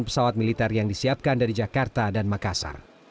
pesawat militer yang disiapkan dari jakarta dan makassar